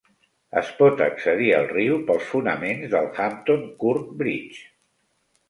Es pot accedir al riu pels fonaments del Hampton Court Bridge.